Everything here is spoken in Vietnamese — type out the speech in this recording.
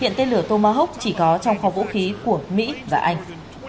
hiện tên lửa tomahawk chỉ có trong kho vũ khí của mỹ và anh